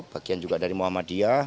bagian juga dari muhammadiyah